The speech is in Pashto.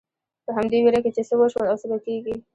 په همدې وېره کې چې څه وشول او څه به کېږي.